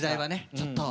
ちょっと。